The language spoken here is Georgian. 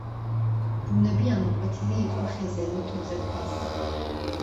რუნები ამოკვეთილი იყო ხეზე, ლითონზე, ქვაზე.